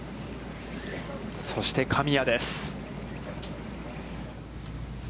そして神谷です。